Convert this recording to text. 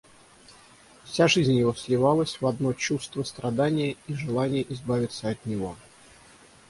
Вся жизнь его сливалась в одно чувство страдания и желания избавиться от него.